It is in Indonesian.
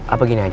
apa gini aja pak